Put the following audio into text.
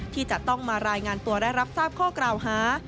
ที่จะต้องมารายงานตัวได้รับทราบข้อกล่าวหา